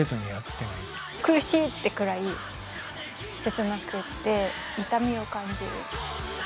苦しいってくらい切なくって痛みを感じる。